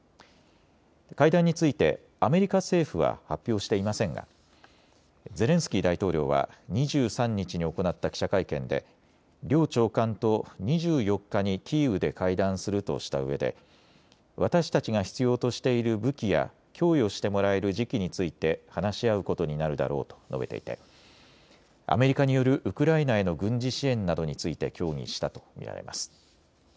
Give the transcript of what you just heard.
会談についてアメリカ政府は発表していませんがゼレンスキー大統領は２３日に行った記者会見で両長官と２４日にキーウで会談するとしたうえで私たちが必要としている武器や供与してもらえる時期について話し合うことになるだろうと述べていてアメリカによるウクライナへの軍事支援などについて協議したと見られます。